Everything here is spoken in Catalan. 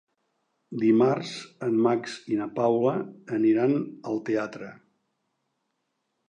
Dimarts en Max i na Paula aniran al teatre.